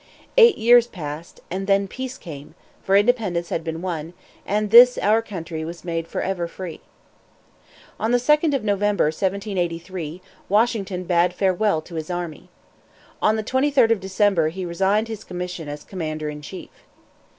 Eight years passed, and then peace came, for independence had been won, and this our country was made forever free. On the 2d of November, 1783, Washington bade farewell to his army. On the 23d of December he resigned his commission as commander in chief.